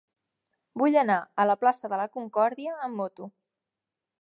Vull anar a la plaça de la Concòrdia amb moto.